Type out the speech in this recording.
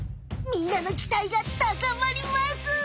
みんなのきたいがたかまります！